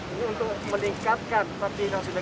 itu ditambah dengan bus vaksin stasioner